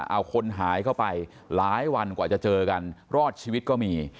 เอาคนหายเข้าไปหลายวันกว่าจะเจอกันรอดชีวิตก็มี